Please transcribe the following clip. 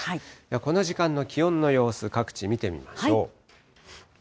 この時間の気温の様子、各地見てみましょう。